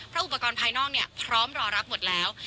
เพราะอุปกรณ์ภายนอกพร้อมรอรับหมดแล้ว